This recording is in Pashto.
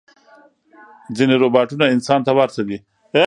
ځینې روباټونه انسان ته ورته دي.